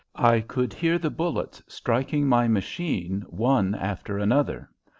I could hear the bullets striking my machine one after another.